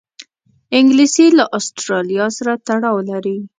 انګلیسي له آسټرالیا سره تړاو لري